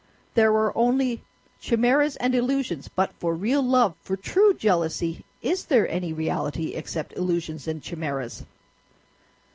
There were only chimeras and illusions; but for real love, for true jealousy, is there any reality except illusions and chimeras?